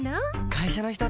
会社の人と。